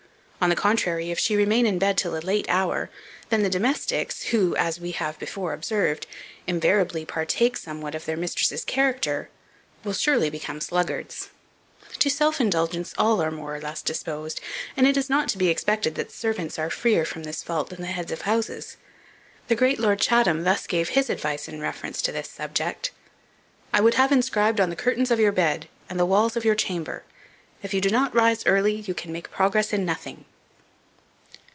On the contrary, if she remain in bed till a late hour, then the domestics, who, as we have before observed, invariably partake somewhat of their mistress's character, will surely become sluggards. To self indulgence all are more or less disposed, and it is not to be expected that servants are freer from this fault than the heads of houses. The great Lord Chatham thus gave his advice in reference to this subject: "I would have inscribed on the curtains of your bed, and the walls of your chamber, 'If you do not rise early, you can make progress in nothing.'"